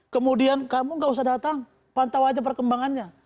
kemudian kamu tidak usah datang pantau saja perkembangannya